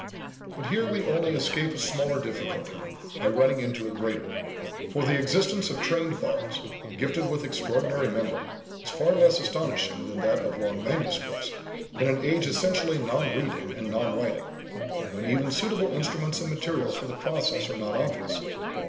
But here we only escape a smaller difficulty by running into a greater; for the existence of trained bards, gifted with extraordinary memory, is far less astonishing than that of long manuscripts, in an age essentially non reading and non writing, and when even suitable instruments and materials for the process are not obvious.